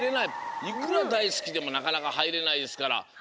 いくらだいスキでもなかなかはいれないですから。